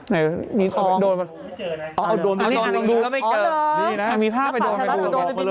ดรมไม่เจอเอามีภาพไปดรม